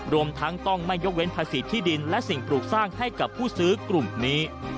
รวมทั้งต้องไม่ยกเว้นภาษีที่ดินและสิ่งปลูกสร้างให้กับผู้ซื้อกลุ่มนี้